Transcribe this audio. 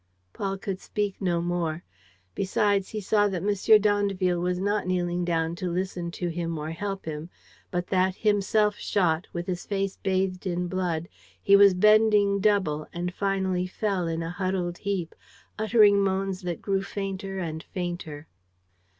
Paul could speak no more. Besides, he saw that M. d'Andeville was not kneeling down to listen to him or help him, but that, himself shot, with his face bathed in blood, he was bending double and finally fell in a huddled heap, uttering moans that grew fainter and fainter.